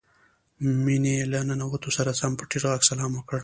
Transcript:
مينې له ننوتو سره سم په ټيټ غږ سلام وکړ.